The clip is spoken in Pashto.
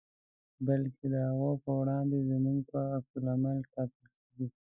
بلکې د هغو په وړاندې زموږ په عکس العمل ټاکل کېږي.